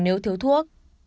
nếu thiếu thuốc